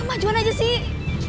majuan aja sih